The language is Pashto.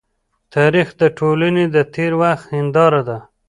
تاریخ د ټولني د تېر وخت هنداره ده.